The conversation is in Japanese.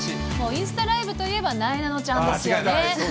インスタライブといえば、なえなのちゃんですよね。